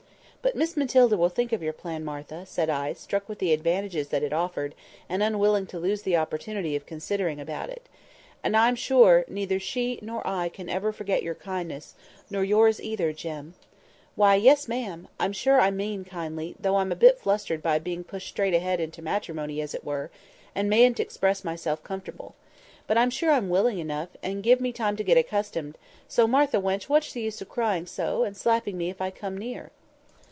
"But Miss Matilda will think of your plan, Martha," said I, struck with the advantages that it offered, and unwilling to lose the opportunity of considering about it. "And I'm sure neither she nor I can ever forget your kindness; nor yours either, Jem." "Why, yes, ma'am! I'm sure I mean kindly, though I'm a bit fluttered by being pushed straight ahead into matrimony, as it were, and mayn't express myself conformable. But I'm sure I'm willing enough, and give me time to get accustomed; so, Martha, wench, what's the use of crying so, and slapping me if I come near?"